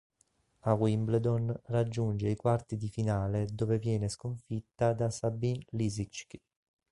A Wimbledon raggiunge i quarti di finale dove viene sconfitta da Sabine Lisicki.